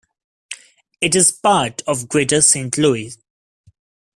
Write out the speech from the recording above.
It is part of Greater Saint Louis.